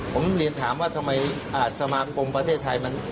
ผมเรียนถามว่าทำไมสมาคมประเทศไทยมัน